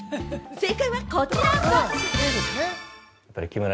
正解はこちら。